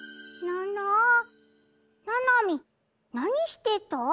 ななみなにしてた？